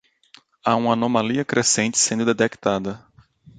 Há uma anomalia crescente sendo detectada